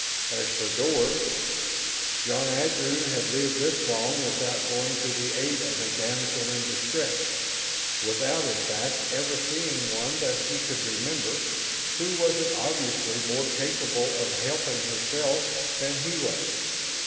As for Dor John Andrew had lived this long without going to the aid of a damsel in distress without, in fact, ever seeing one that he could remember, who wasn't obviously more capable of helping herself than he was.